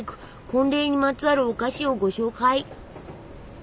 婚礼にまつわるお菓子をご紹介！